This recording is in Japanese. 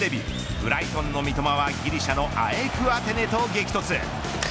ブライトンの三笘はギリシャのＡＥＫアテネと激突。